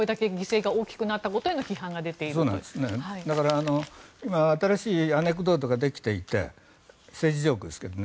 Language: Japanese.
だから、今新しいアネクドートができていて政治ジョークですけどね。